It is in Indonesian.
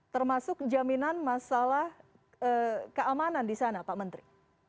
termasuk jaminan masalah keamanan di sana pak menteri